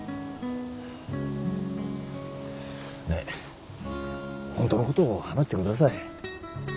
ねっ本当の事を話してください。